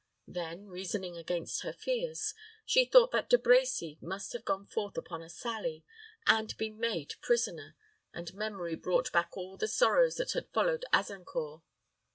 Then, reasoning against her fears, she thought that De Brecy must have gone forth upon a sally, and been made prisoner, and memory brought back all the sorrows that had followed Azincourt.